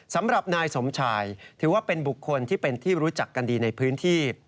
สำหรับนายสมชายถือว่าเป็นบุคคลที่เป็นที่รู้จักกันดีในพื้นที่